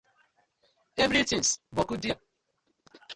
Everytins boku there.